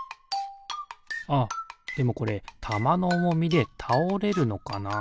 あっでもこれたまのおもみでたおれるのかな？